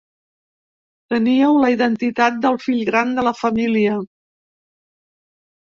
Teníeu la identitat del fill gran de la família.